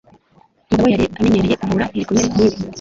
Umugabo yari amenyereye kuvura ibikomere nkibi.